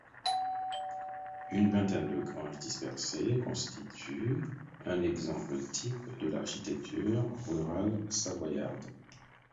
Une vingtaine de granges dispersées constituent un exemple type de l'architecture rurale savoyarde.